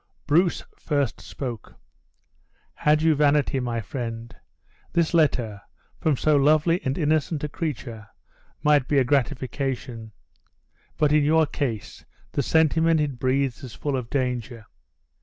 Bruce first spoke. "Had you vanity, my friend, this letter, from so lovely and innocent a creature, might be a gratification; but in your case, the sentiment it breathes is full of danger.